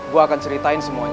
gue akan ceritain semuanya